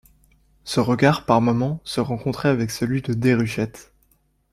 Ce regard par moments se rencontrait avec celui de Déruchette.